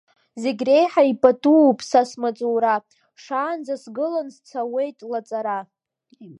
Зегь реиҳа ипатууп са смаҵура, шаанӡа сгылан сцауеит лаҵара.